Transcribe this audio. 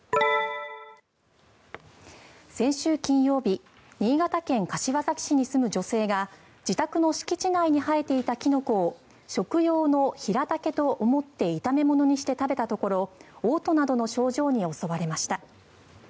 先週金曜日新潟県柏崎市に住む女性が自宅の敷地内に生えていたキノコを食用のヒラタケと思って炒め物にして食べたところおう吐などの症状に襲われました。